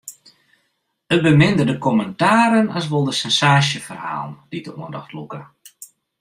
It binne minder de kommentaren as wol de sensaasjeferhalen dy't de oandacht lûke.